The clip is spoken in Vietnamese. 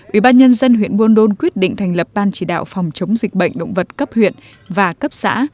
ubnd huyện buôn đôn quyết định thành lập ban chỉ đạo phòng chống dịch bệnh động vật cấp huyện và cấp xã